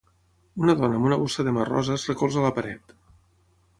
Una dona amb una bossa de mà rosa es recolza a la paret.